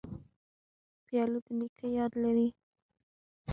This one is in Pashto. پیاله د نیکه یاد لري.